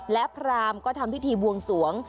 และพรามก็ทำพิธีบวงสวง